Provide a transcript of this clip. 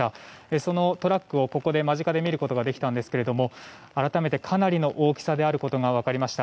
そのトラックを間近で見ることができたんですが改めてかなりの大きさであることが分かりました。